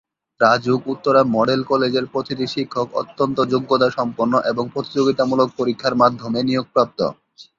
RAJUK Uttara model কলেজের প্রতিটি শিক্ষক অত্যন্ত যোগ্যতা সম্পন্ন এবং প্রতিযোগিতামূলক পরীক্ষার মাধ্যমে নিয়োগপ্রাপ্ত।